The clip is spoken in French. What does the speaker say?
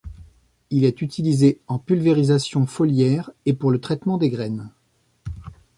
Il est utilisé en pulvérisation foliaire et pour le traitement des graines.